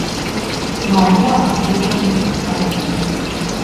Маўляў, гэта іх пытанні.